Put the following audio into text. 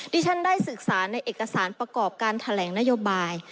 ที่ฉันได้ศึกษาในเอกสารประกอบการแถลงนโยบาย